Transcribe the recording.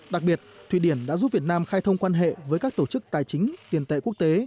đặc biệt thụy điển đã giúp việt nam khai thông quan hệ với các tổ chức tài chính tiền tệ quốc tế